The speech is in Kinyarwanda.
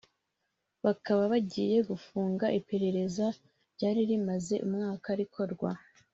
bakaba bagiye gufunga iperereza ryari rimaze umwaka rikorwa